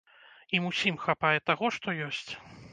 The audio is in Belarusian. Ім ўсім хапае таго, што ёсць.